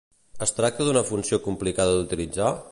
Es tracta d'una funció complicada d'utilitzar?